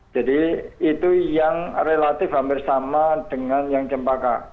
jadi itu yang relatif hampir sama dengan yang jempaka